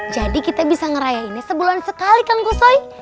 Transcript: jadi kita bisa ngerayainnya sebulan sekali tangguh soi